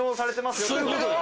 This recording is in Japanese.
すごい！